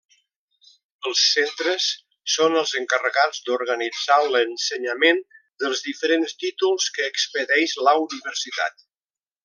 Els Centres són els encarregats d'organitzar l'ensenyament dels diferents títols que expedeix la Universitat.